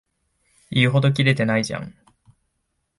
言うほどキレてないじゃん